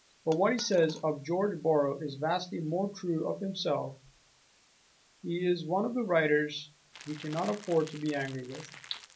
But what he says of George Borrow is vastly more true of himself: he is one of the writers we cannot afford to be angry with.